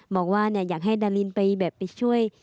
บอกว่าอยากให้ดารินไปแบบไปช่วย